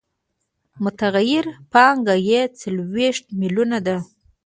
متغیره پانګه یې څلوېښت میلیونه ده